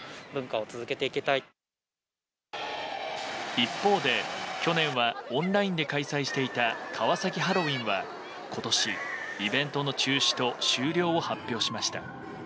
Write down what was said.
一方で去年はオンラインで開催していたカワサキハロウィンは今年イベントの中止と終了を発表しました。